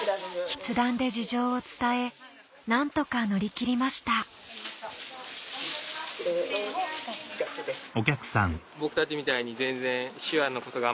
筆談で事情を伝え何とか乗り切りましたかなと思いますね。